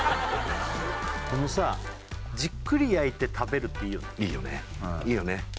このさじっくり焼いて食べるっていいよねいいよねいいよね